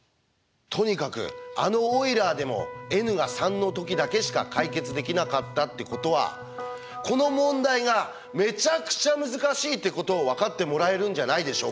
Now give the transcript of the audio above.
とにかくあのオイラーでもｎが３の時だけしか解決できなかったってことはこの問題がめちゃくちゃ難しいってことを分かってもらえるんじゃないでしょうか。